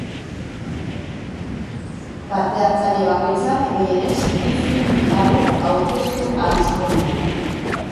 Parte-hartzaile bakoitzak, gehienez, bi film labur aurkeztu ahal izango ditu.